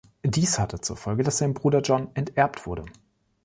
Dies hatte zur Folge, dass sein Bruder John enterbt wurde.